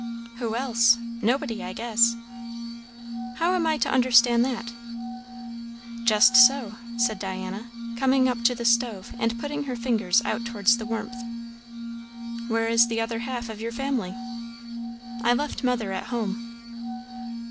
"Who else? Nobody, I guess." "How am I to understand that?" "Just so," said Diana, coming up to the stove and putting her fingers out towards the warmth. "Where is the other half of your family?" "I left mother at home."